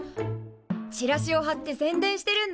チラシをはって宣伝してるんだ。